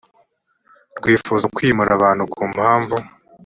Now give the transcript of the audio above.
rwifuza kwimura abantu ku mpamvu